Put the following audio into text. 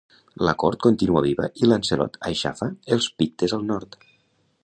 La cort continua viva i Lancelot aixafa els Pictes al Nord.